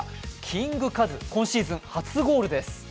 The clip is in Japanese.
キングカズ、今シーズン初ゴールです。